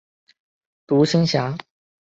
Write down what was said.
独行侠。